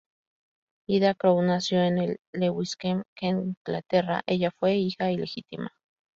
Ida Crowe nació el en Lewisham, Kent, Inglaterra, ella fue hija ilegítima.